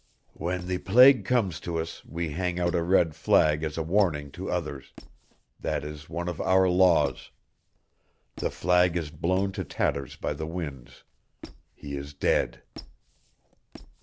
When the plague comes to us we hang out a red flag as a warning to others. That is one of our laws. The flag is blown to tatters by the winds. He is dead."